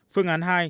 phương án hai